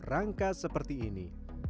untuk rangka seperti ini